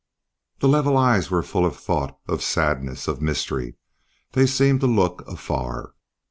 The level eyes were full of thought, of sadness, of mystery; they seemed to look afar.